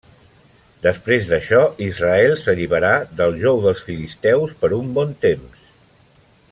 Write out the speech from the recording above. Després d'això, Israel s'alliberà del jou dels filisteus per un bon temps.